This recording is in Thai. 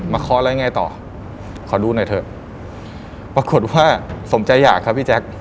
เคาะแล้วยังไงต่อขอดูหน่อยเถอะปรากฏว่าสมใจอยากครับพี่แจ๊ค